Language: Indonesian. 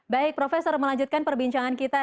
baik profesor melanjutkan perbincangan kita